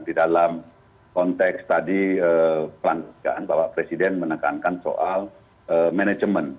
di dalam konteks tadi perangkan pak presiden menekankan soal management